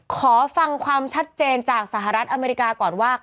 ขอฟังความชัดเจนจากสหรัฐอเมริกาก่อนว่า